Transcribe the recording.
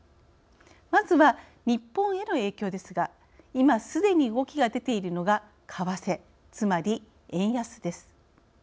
まずは日本への影響ですが、今すでに動きが出ているのが為替、つまり円安です。